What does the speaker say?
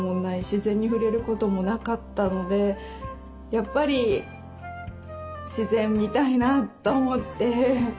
自然に触れることもなかったのでやっぱり自然見たいなと思って山登ってみたいです。